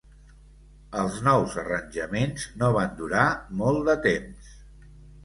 Els nous arranjaments no van durar molt de temps.